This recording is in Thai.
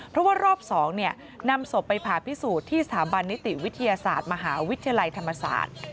เพราะว่ารอบ๒นำศพไปผ่าพิสูจน์ที่สถาบันนิติวิทยาศาสตร์มหาวิทยาลัยธรรมศาสตร์